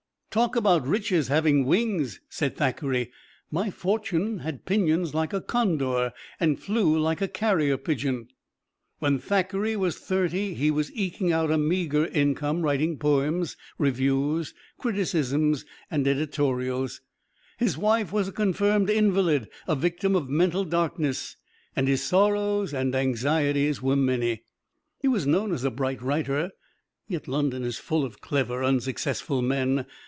"Talk about riches having wings," said Thackeray; "my fortune had pinions like a condor, and flew like a carrier pigeon." When Thackeray was thirty he was eking out a meager income writing poems, reviews, criticisms and editorials. His wife was a confirmed invalid, a victim of mental darkness, and his sorrows and anxieties were many. He was known as a bright writer, yet London is full of clever, unsuccessful men.